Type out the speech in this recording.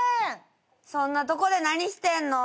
そんなとこで何してんの？